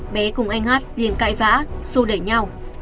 bé cùng anh hát liền cãi vã sô đẩy nhau